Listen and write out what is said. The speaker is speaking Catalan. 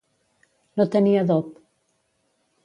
No tenir adob.